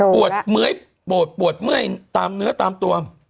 ปวดเมื่อยปวดปวดเมื่อยตามเนื้อตามตัว